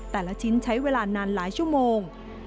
แต่ละชิ้นใช้เวลานานหลายชั่วโมง